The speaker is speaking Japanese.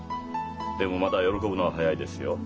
でもまだ喜ぶのは早いですよ。